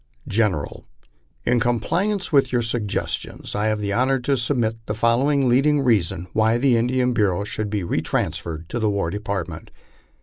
GENERAL : In compliance with your suggestions, I have the honor to submit the following leading reasons why the Indian Bureau should be retransferred to the War Department.